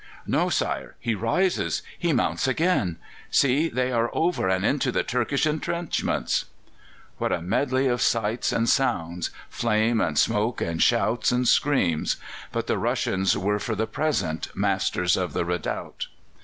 "No, sire; he rises he mounts again! See, they are over and into the Turkish entrenchments!" What a medley of sights and sounds flame and smoke and shouts and screams! But the Russians were for the present masters of the redoubt.